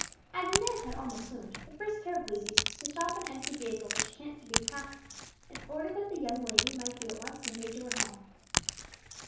As Inez had almost swooned, the first care of Lucius was to stop an empty vehicle which chanced to be passing, in order that the young lady might be at once conveyed to her home.